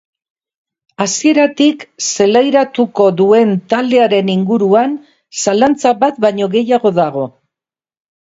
Hasieratik zelairatuko duen taldearen inguruan zalantza bat baino gehiago dago.